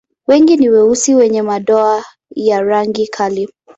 Wengi ni weusi wenye madoa ya rangi kali.